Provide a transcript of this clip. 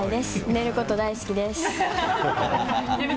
寝ること大好きです。